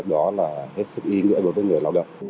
đó là hết sức ý nghĩa đối với người lao động